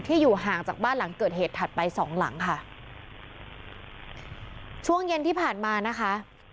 อยู่ห่างจากบ้านหลังเกิดเหตุถัดไปสองหลังค่ะช่วงเย็นที่ผ่านมานะคะ